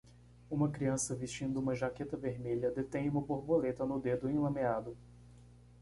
Uma criança vestindo uma jaqueta vermelha detém uma borboleta no dedo enlameado.